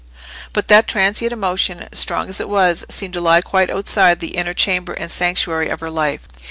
But that transient emotion, strong as it was, seemed to lie quite outside the inner chamber and sanctuary of her life.